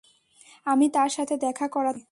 আমি তার সাথে দেখা করাতে চাই।